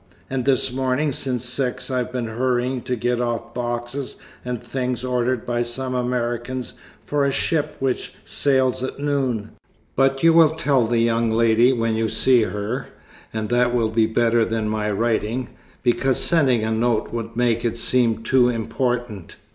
And this morning since six I have been hurrying to get off boxes and things ordered by some Americans for a ship which sails at noon. But you will tell the young lady when you see her, and that will be better than my writing, because sending a note would make it seem too important.